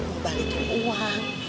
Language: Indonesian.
mau balikin uang